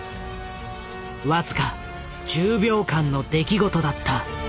僅か１０秒間の出来事だった。